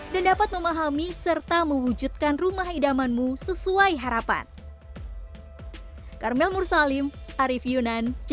dan dapat memahami serta mewujudkan rumah idamanmu sesuai harapan